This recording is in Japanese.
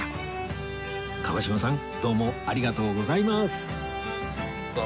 かわ嶋さんどうもありがとうございます